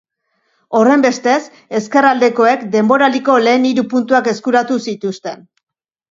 Horrenbestez, ezkerraldekoek denboraldiko lehen hiru puntuak eskuratu zituzten.